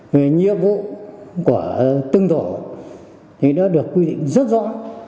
về nhiệm vụ của tương thổ thì nó được quy định rất rõ